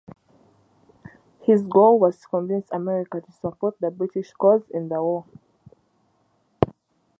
His goal was to convince America to support the British cause in the war.